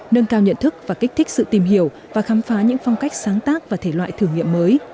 nâng cao nhận thức và kích thích sự tìm hiểu và khám phá những phong cách sáng tác và thể loại thử nghiệm mới